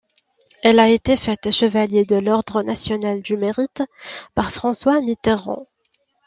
Elle a été faite chevalier de l'Ordre national du Mérite, par François Mitterrand.